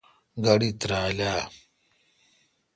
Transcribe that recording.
گاڑی ترال اؘ۔